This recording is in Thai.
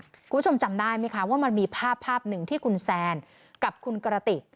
คุณผู้ชมจำได้ไหมคะว่ามันมีภาพภาพหนึ่งที่คุณแซนกับคุณกระติก